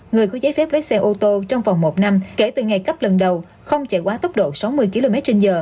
người có giấy phép lái xe ô tô trong vòng một năm kể từ ngày cấp lần đầu không chạy quá tốc độ sáu mươi kmh